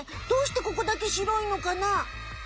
どうしてここだけ白いのかな？